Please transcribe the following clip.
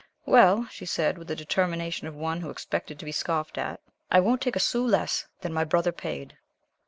"Well," she said, with the determination of one who expected to be scoffed at, "I won't take a sou less than my brother paid."